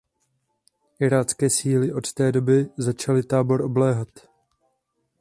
Irácké síly od té doby začaly tábor obléhat.